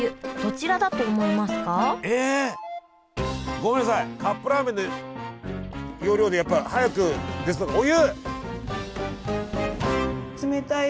ごめんなさいカップラーメンの要領でやっぱり早くお湯！